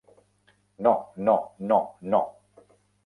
No, no, no, no!